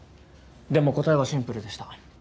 でも答えはシンプルでした。